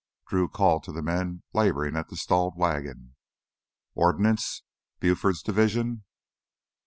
Drew called to the men laboring at the stalled wagon. "Ordnance? Buford's division?"